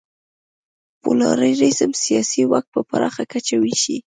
پلورالېزم سیاسي واک په پراخه کچه وېشي.